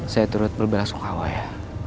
saya turut berbelasukawa ya